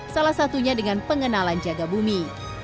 salah satunya dengan pengenalan jaga bumi